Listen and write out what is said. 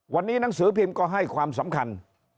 วันนี้หนังสือพิมพ์ก็ให้ความสำคัญ